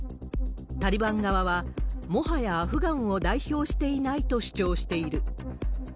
タリバン側は、もはやアフガンを代表していないと主張している。